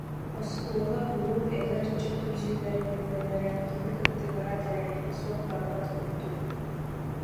Оскуола, кулууп, эдэр ыччат түмсүүлэрин үлэлэрэ кини кыттыгаһа, тэрээһинэ суох барбат курдук